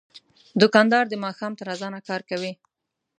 دوکاندار د ماښام تر اذانه کار کوي.